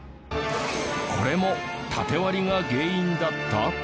これもタテ割りが原因だった？